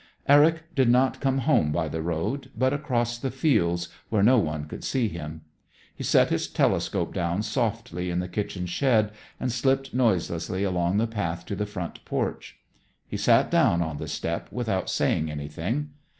Eric did not come home by the road, but across the fields, where no one could see him. He set his telescope down softly in the kitchen shed, and slipped noiselessly along the path to the front porch. He sat down on the step without saying anything.